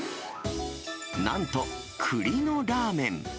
なんと、くりのラーメン。